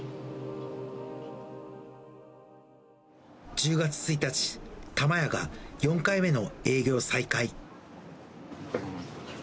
１０月１日、玉やが４回目の営業再開。